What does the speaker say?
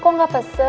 kok enggak pesen